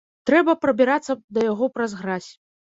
Трэба прабірацца да яго праз гразь.